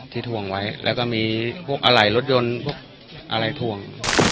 ถวงไว้แล้วก็มีพวกอะไหล่รถยนต์พวกอะไรถ่วง